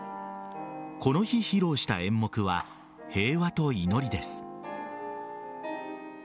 この日披露した演目は「平和と祈り」です。